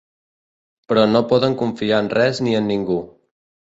Però no poden confiar en res ni en ningú.